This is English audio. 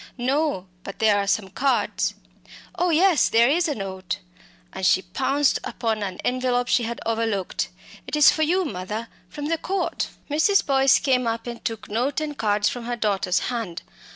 "No; but there are some cards. Oh yes, there is a note," and she pounced upon an envelope she had overlooked. "It is for you, mother from the Court." Mrs. Boyce came up and took note and cards from her daughter's hand.